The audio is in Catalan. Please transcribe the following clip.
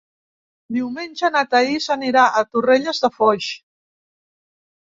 Diumenge na Thaís anirà a Torrelles de Foix.